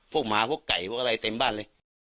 หมาพวกไก่พวกอะไรเต็มบ้านเลย